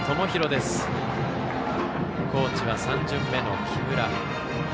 対する高知は３巡目の木村。